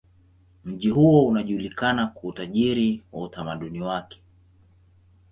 Mji huo unajulikana kwa utajiri wa utamaduni wake.